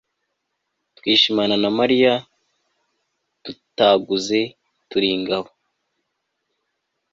twishimana na mariya, dutaguze turi ingabo